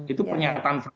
itu pernyataan verbatin